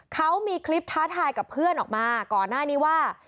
เขามีคลิปท้าทายกับเพื่อนออกมาก่อนหน้านี้ว่า